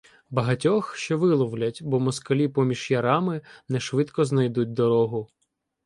Багатьох ще виловлять, бо москалі поміж ярами не швидко знайдуть дорогу.